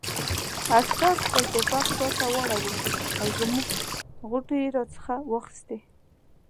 عسکر خپل ټوپک شاته واړاوه او زموږ غوټې یې را څخه واخیستې.